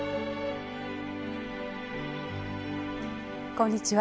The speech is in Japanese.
こんにちは。